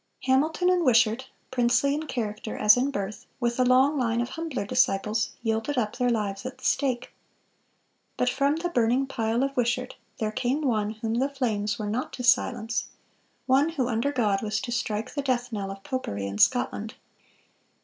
Hamilton and Wishart, princely in character as in birth, with a long line of humbler disciples, yielded up their lives at the stake. But from the burning pile of Wishart there came one whom the flames were not to silence, one who under God was to strike the death knell of popery in Scotland.